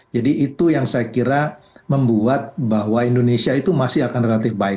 jadi itu yang saya kira membuat bahwa indonesia itu masih akan relatif baik